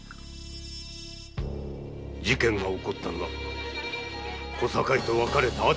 事件が起こったのは小堺と別れた後のことでした。